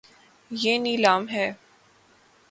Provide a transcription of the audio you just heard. یے نیلا م ہے